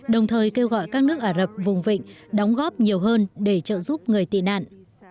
đồng thời kêu gọi các nước ả rập vùng vịnh đóng góp nhiều hơn để trợ giúp người tị nạn